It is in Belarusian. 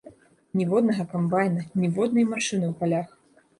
Ніводнага камбайна, ніводнай машыны ў палях.